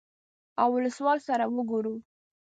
اولسوال سره وګورو.